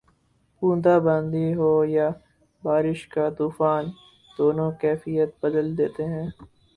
بوندا باندی ہو یا بارش کا طوفان، دونوں کیفیت بدل دیتے ہیں